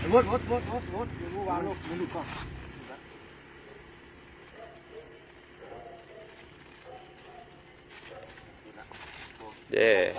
โปรดติดตามตอนต่อไป